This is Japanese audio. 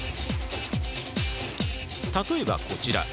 例えばこちら。